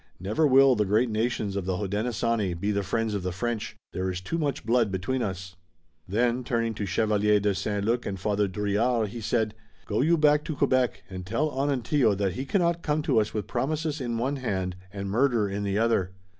Never will the great nations of the Hodenosaunee be the friends of the French. There is too much blood between us." Then, turning to Chevalier de St. Luc and Father Drouillard, he said: "Go you back to Quebec and tell Onontio that he cannot come to us with promises in one hand and murder in the other.